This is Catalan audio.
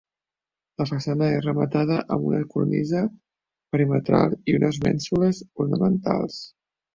La façana és rematada amb una cornisa perimetral i mènsules ornamentals.